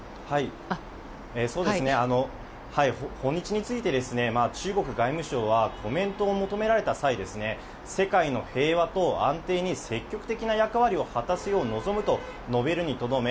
訪日について、中国外務省はコメントを求められた際世界の平和と安定に積極的な役割を果たすよう望むと述べるにとどめ